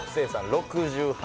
６８